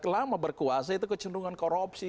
lama berkuasa itu kecenderungan korupsi